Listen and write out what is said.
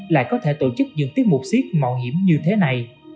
lại có thể tổ chức những tiết mục siết mạo hiểm như thế này